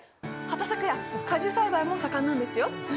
畑作や果樹栽培も盛んなんですよ。